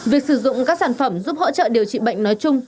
việc sử dụng các sản phẩm giúp hỗ trợ điều trị bệnh nói chung